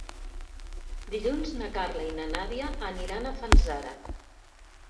Dilluns na Carla i na Nàdia aniran a Fanzara.